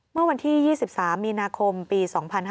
เมื่อวันที่๒๓มีนาคมปี๒๕๕๙